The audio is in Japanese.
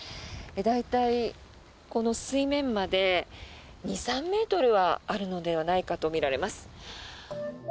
大体、この水面まで２３ｍはあるのではないかとみられます。